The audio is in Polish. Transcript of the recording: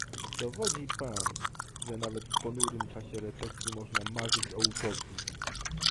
Dowodzi pan, że nawet w ponurym czasie recesji można marzyć o Utopii